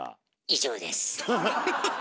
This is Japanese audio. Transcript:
以上です。